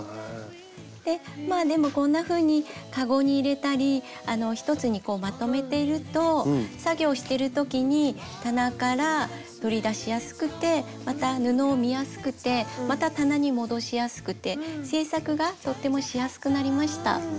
まあでもこんなふうに籠に入れたり一つにまとめてると作業してる時に棚から取り出しやすくてまた布を見やすくてまた棚に戻しやすくて制作がとってもしやすくなりました。